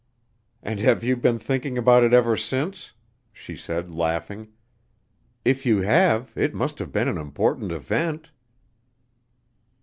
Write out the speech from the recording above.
"And have you been thinking about it ever since?" she said, laughing. "If you have it must have been an important event."